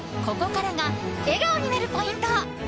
ここからが笑顔になるポイント。